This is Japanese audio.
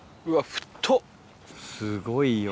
すごいよ。